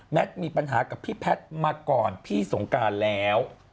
มีปัญหากับพี่แพทย์มาก่อนพี่สงการแล้ว